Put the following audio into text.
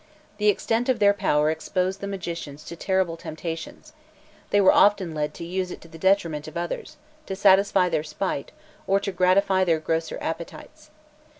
The extent of their power exposed the magicians to terrible temptations; they were often led to use it to the detriment of others, to satisfy their spite, or to gratify their grosser appetites.